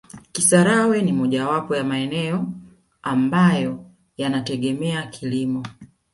Kisarawe ni mojawapo ya maeneo ambayo yanategemea kilimo